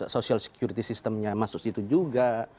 social security systemnya masuk situ juga